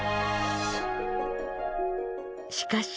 しかし。